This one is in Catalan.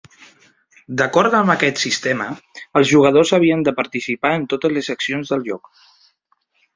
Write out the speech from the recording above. D'acord amb aquest sistema, els jugadors havien de participar en totes les accions del joc.